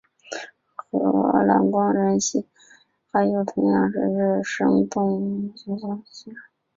和蓝光人系列齐名的还有同样是日升动画所制作的勇者系列。